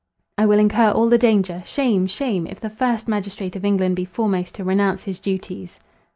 I will incur all the danger. Shame! shame! if the first magistrate of England be foremost to renounce his duties."